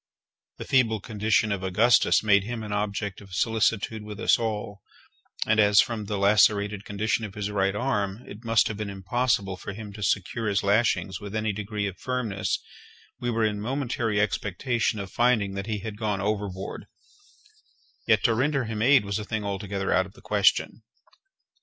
The feeble condition of Augustus made him an object of solicitude with us all; and as, from the lacerated condition of his right arm, it must have been impossible for him to secure his lashings with any degree of firmness, we were in momentary expectation of finding that he had gone overboard—yet to render him aid was a thing altogether out of the question.